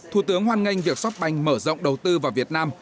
thủ tướng hoan nghênh việc shopbank mở rộng đầu tư vào việt nam